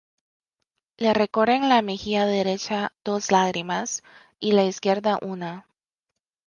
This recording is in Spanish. Le recorren la mejilla derecha dos lágrimas, y la izquierda una.